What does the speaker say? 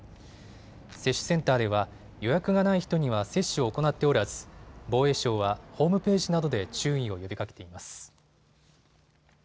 接種センターでは予約がない人には接種を行っておらず防衛省はホームページなどで注意を呼びかけています。